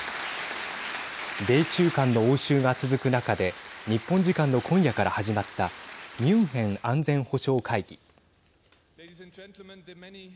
米中間の応酬が続く中で日本時間の今夜から始まったミュンヘン安全保障会議。